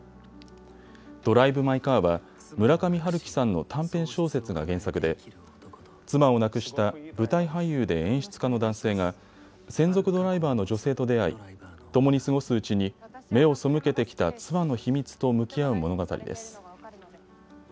ドライブ・マイ・カーは村上春樹さんの短編小説が原作で妻を亡くした舞台俳優で演出家の男性が専属ドライバーの女性と出会い共に過ごすうちに目を背けてきた妻の秘密と向き合う物語です。